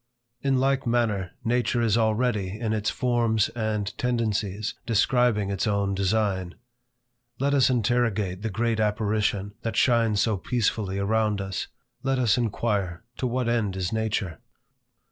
In like manner, nature is already, in its forms and tendencies, describing its own design. Let us interrogate the great apparition, that shines so peacefully around us. Let us inquire, to what end is nature?